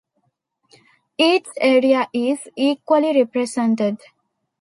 Each area is equally represented.